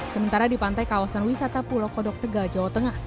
sementara di pantai kawasan wisata pulau kodok tegal jawa tengah